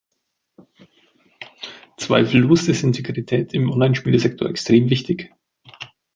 Zweifellos ist Integrität im Online-Spielesektor extrem wichtig.